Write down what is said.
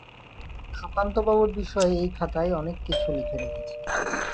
সুধাকান্তবাবুর বিষয়ে এই খাতায় অনেক কিছু লিখে রেখেছি।